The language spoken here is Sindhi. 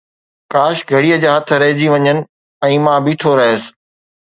ڪاش گھڙيءَ جا هٿ رهجي وڃن ۽ مان بيٺو رهيس